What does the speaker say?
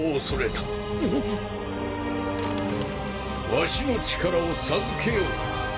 ワシの力を授けよう。